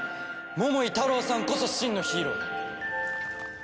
桃井タロウさんこそ真のヒーローだ。